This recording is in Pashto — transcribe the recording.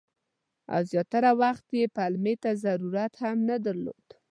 او زیاتره وخت یې پلمې ته ضرورت هم نه درلود.